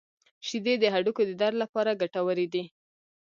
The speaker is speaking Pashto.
• شیدې د هډوکو د درد لپاره ګټورې دي.